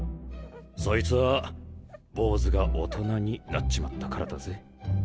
そいつぁ坊主が大人になっちまったからだぜ。